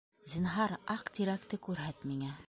— Зинһар, Аҡ тирәкте күрһәт миңә.